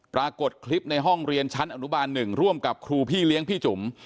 ปรากฏคลิปในห้องเรียนชั้นอนุบาล๑ร่วมกับครูพี่เลี้ยงพี่จุ๋ม